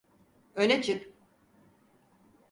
Öne çık!